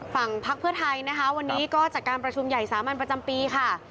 พักเพื่อไทยนะคะวันนี้ก็จัดการประชุมใหญ่สามัญประจำปีค่ะ